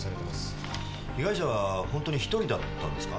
被害者は本当に一人だったんですか？